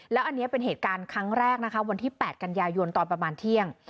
แล้วอันนี้เป็นเหตุการณ์ครั้งแรกนะคะวันที่๘กันยายนตอนประมาณเที่ยง